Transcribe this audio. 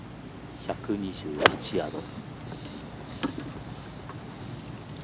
１２８ヤード。